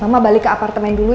mama balik ke apartemen dulu